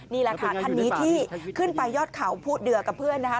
นี่แหละค่ะท่านนี้ที่ขึ้นไปยอดเขาผู้เดือกับเพื่อนนะคะ